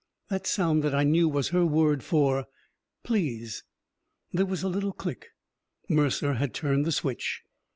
The sound that I knew was her word for "Please!" There was a little click. Mercer had turned the switch.